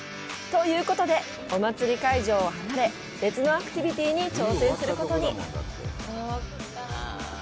ということで、お祭り会場を離れ別のアクティビティに挑戦することに。